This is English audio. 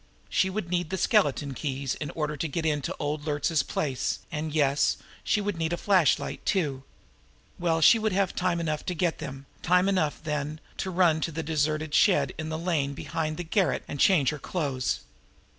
She would need the skeleton keys in order to get into old Luertz's place, and, yes, she would need a flashlight, too. Well, she would have time enough to get them, and time enough, then, to run to the deserted shed in the lane behind the garret and change her clothes.